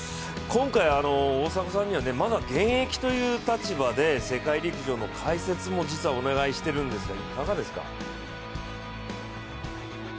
今回、大迫さんにはまだ現役という立場で世界陸上の解説も実はお願いしているんですがいかがですか？